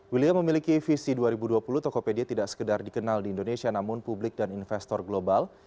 william memiliki visi dua ribu dua puluh tokopedia tidak sekedar dikenal di indonesia namun publik dan investor global